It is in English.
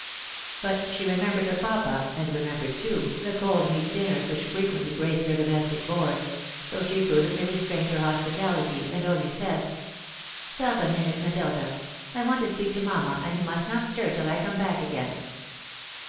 But she remembered her papa, and remembered, too, the cold meat dinners which frequently graced their domestic board ; so she prudently restrained her hospitahty, and only said —" Stop a minute, Matilda ! I want to speak to mamma, and you must not stir till I come back again."